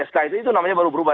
sk itu namanya baru berubah